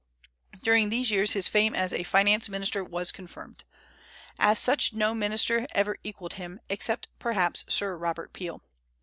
During these years his fame as a finance minister was confirmed. As such no minister ever equalled him, except perhaps Sir Robert Peel.